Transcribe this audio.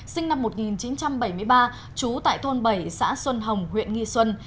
sinh năm một nghìn chín trăm bảy mươi ba trú tại thôn bảy xã xuân hồng huyện nghi xuân